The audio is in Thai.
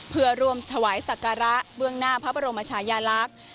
เพื่อร่วมถวายศักระเบื้องหน้าพระบรมชายาลักษณ์